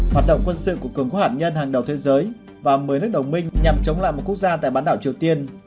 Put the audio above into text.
hoạt động quân sự của cường quốc hạt nhân hàng đầu thế giới và một mươi nước đồng minh nhằm chống lại một quốc gia tại bán đảo triều tiên